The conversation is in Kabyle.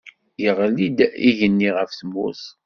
Yeɣli-d igenni ɣef tmurt